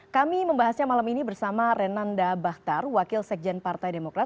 kami membahasnya malam ini bersama renanda bahtar wakil sekjen partai demokrat